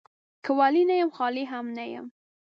که ولي نه يم ، خالي هم نه يم.